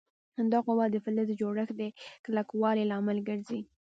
دا قوه د فلز د جوړښت د کلکوالي لامل ګرځي.